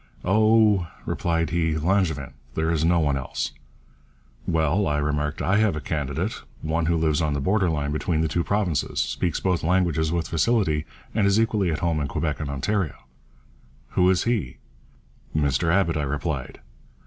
'Oh,' replied he, 'Langevin; there is no one else.' 'Well,' I remarked, 'I have a candidate one who lives on the border line between the two provinces, speaks both languages with facility, and is equally at home in Quebec and Ontario.' 'Who is he?' 'Mr Abbott,' I replied.